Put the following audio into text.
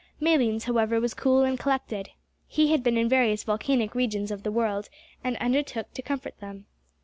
Malines, however, was cool and collected. He had been in various volcanic regions of the world, and undertook to comfort them.